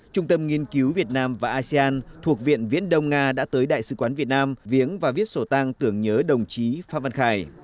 trung tâm nghiên cứu việt nam và asean thuộc viện viễn đông nga đã tới đại sứ quán việt nam viếng và viết sổ tang tưởng nhớ đồng chí phan văn khải